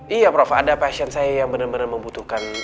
iya prof ada pasien saya yang bener bener membutuhkan